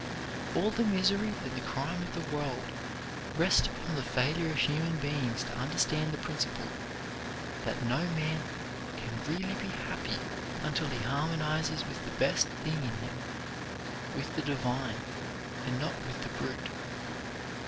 All the misery and the crime of the world rest upon the failure of human beings to understand the principle that no man can really be happy until he harmonizes with the best thing in him, with the divine, and not with the brute.